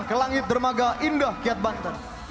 ke langit dermaga indah kiat banten